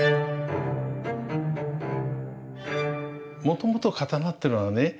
もともと刀ってのはね